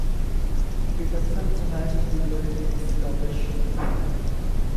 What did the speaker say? Peterson's hoist, including its location.